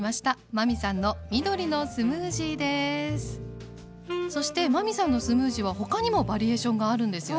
真海さんのそして真海さんのスムージーは他にもバリエーションがあるんですよね？